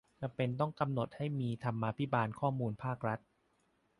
จำเป็นต้องกำหนดให้มีธรรมาภิบาลข้อมูลภาครัฐ